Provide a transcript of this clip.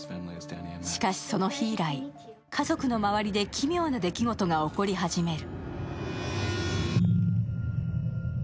しかし、その日以来、家族の周りで奇妙な出来事が起こり始める。